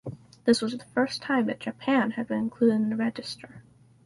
This was the first time that Japan had been included in the register.